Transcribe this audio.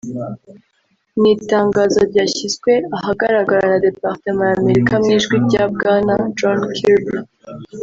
Mu itangazo ryashyizwe ahagaragara na Departement y’Amerika mu ijwi rya Bwana John Kirby